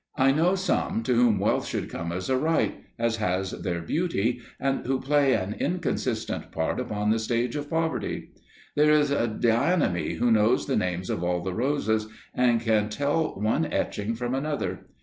I know some to whom wealth should come as a right, as has their beauty, and who play an inconsistent part upon the stage of poverty. There is Dianeme, who knows the names of all the roses, and can tell one etching from another.